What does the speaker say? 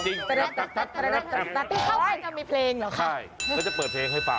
โฟนที่เข้าไปจะมีเพลงหรอคะใช่ก็จะเปิดเพลงให้ปาก